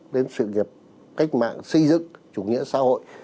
đến sự nghiệp cách mạng xây dựng chủ nghĩa xã hội